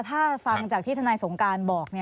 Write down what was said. ถ้าฟังจากที่ทนายสงการบอก